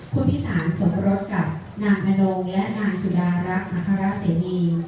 คุณพิสารสมรสกับนางนโน้งและนางสุดารักอัคราเสมี